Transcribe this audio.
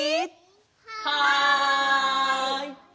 はい！